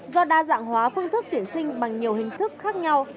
do đa dạng hóa phương thức tuyển sinh bằng nhiều hình thức khác nhau